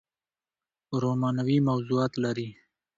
رومانوي موضوعات لري